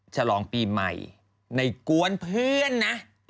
ฉลองปีใหม่ในกวนเพื่อนนะ